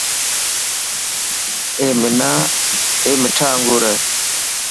اي مٺا انگور هي.